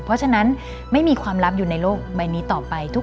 เพราะฉะนั้นไม่มีความลับอยู่ในโลกใบนี้ต่อไป